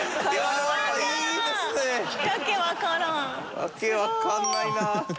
訳わかんないな。